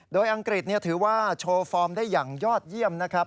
โดยอังกฤษถือว่าโชว์ฟอร์มได้อย่างยอดเยี่ยมนะครับ